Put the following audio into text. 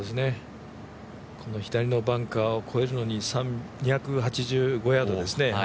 この左のバンカーを越えるのに２８５ヤードですね。